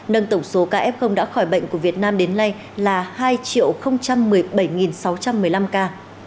nâng tổng số kf đã khỏi bệnh của việt nam đến nay là năm mươi ca